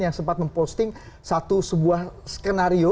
yang sempat memposting satu sebuah skenario